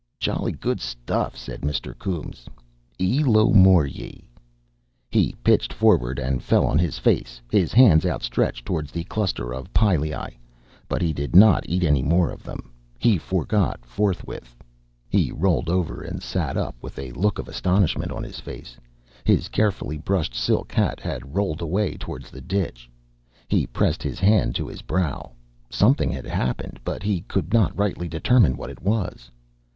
"Jol' goo' stuff," said Mr. Coombes. "E lomore ye'." He pitched forward and fell on his face, his hands outstretched towards the cluster of pilei. But he did not eat any more of them. He forgot forthwith. He rolled over and sat up with a look of astonishment on his face. His carefully brushed silk hat had rolled away towards the ditch. He pressed his hand to his brow. Something had happened, but he could not rightly determine what it was.